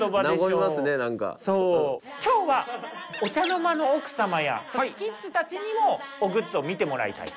今日はお茶の間の奥様やキッズたちにも『おグッズ！』を見てもらいたい。